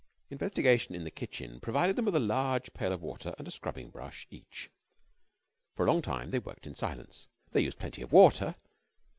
Investigation in the kitchen provided them with a large pail of water and a scrubbing brush each. For a long time they worked in silence. They used plenty of water.